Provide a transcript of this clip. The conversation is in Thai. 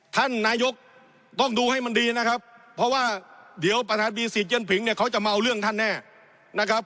ท่านนายกต้องดูให้มันดีนะครับเพราะว่าเดี๋ยวประธานมีสิทธิเย่นผิงเนี่ยเขาจะมาเอาเรื่องท่านแน่นะครับ